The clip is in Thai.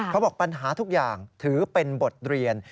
เขาบอกปัญหาทุกอย่างถือเป็นบทเรียน